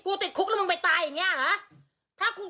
ติดคุกแล้วมึงไปตายอย่างนี้เหรอ